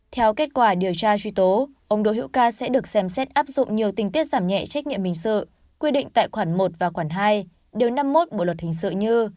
theo kết quả điều tra truy tố ông đỗ hữu ca sẽ được xem xét áp dụng nhiều tình tiết giảm nhẹ trách nhiệm hình sự quy định tại khoản một và khoản hai điều năm mươi một bộ luật hình sự như